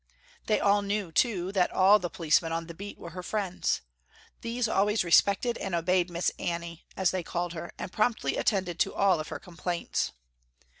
They all knew too, that all the policemen on the beat were her friends. These always respected and obeyed Miss Annie, as they called her, and promptly attended to all of her complaints.